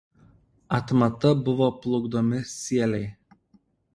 Atmata buvo plukdomi sieliai.